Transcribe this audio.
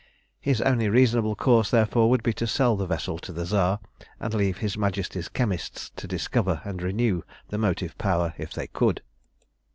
His only reasonable course, therefore, would be to sell the vessel to the Tsar, and leave his Majesty's chemists to discover and renew the motive power if they could.